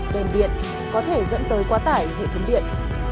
đèn điện có thể dẫn tới quá tải hệ thống điện